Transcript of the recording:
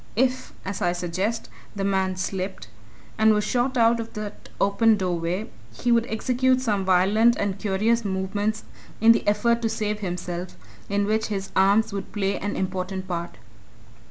If, as I suggest, the man slipped, and was shot out of that open doorway, he would execute some violent and curious movements in the effort to save himself in which his arms would play an important part.